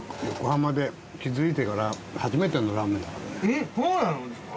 えっそうなんですか！？